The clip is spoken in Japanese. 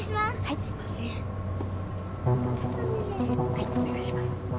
はいお願いします